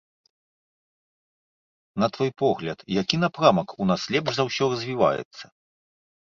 На твой погляд, які напрамак у нас лепш за ўсё развіваецца?